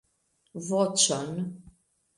.... voĉon.